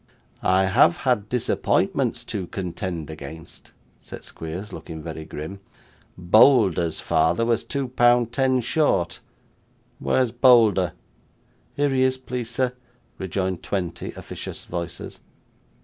'I have had disappointments to contend against,' said Squeers, looking very grim; 'Bolder's father was two pound ten short. Where is Bolder?' 'Here he is, please sir,' rejoined twenty officious voices.